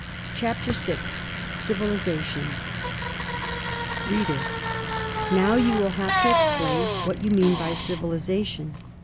CHAPTER VI CIVILIZATION READER: Now you will have to explain what you mean by civilization.